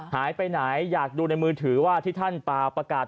หายไปไหนอยากดูในมือถือว่าที่ท่านป่าประกาศ